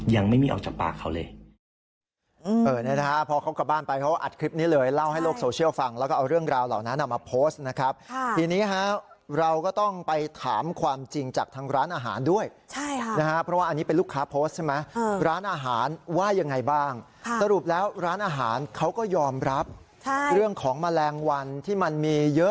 ยังไม่มีออกจากปากเขาเลย